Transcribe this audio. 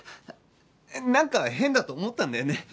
なんか変だと思ったんだよね。